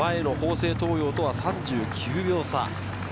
前の法政、東洋とは３９秒差。